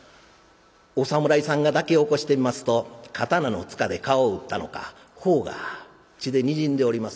お侍さんが抱き起こしてみますと刀のつかで顔を打ったのか頬が血でにじんでおります。